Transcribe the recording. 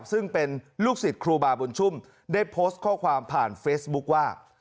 ซึ่งเป็นลูกศิษย์ครูบาบุญชุ่มได้โพสต์ข้อความผ่านเฟซบุ๊คว่า